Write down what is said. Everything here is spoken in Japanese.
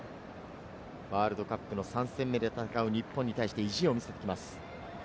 ワールドカップの３戦目で戦う日本に対して意地を見せてきます。